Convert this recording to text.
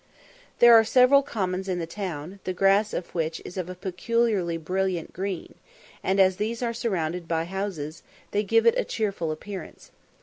There are several commons in the town, the grass of which is of a peculiarly brilliant green, and, as these are surrounded by houses, they give it a cheerful appearance.